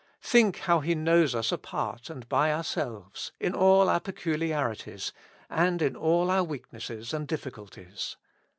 Think how he knows us apart and by our selves, in all our peculiarities, and in all our weak nesses and difficulties.